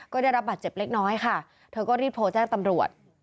ก็ได้รับบาดเจ็บเล็กน้อยค่ะเธอก็รีบโทรแจ้งตำรวจ